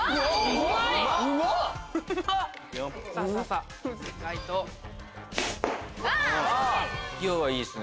勢いはいいっすね。